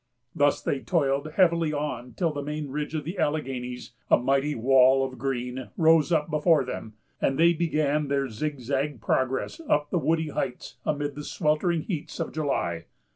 Thus they toiled heavily on till the main ridge of the Alleghanies, a mighty wall of green, rose up before them; and they began their zigzag progress up the woody heights amid the sweltering heats of July.